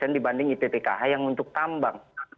dibanding ippkh yang untuk tambang